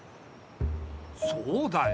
そうだよ。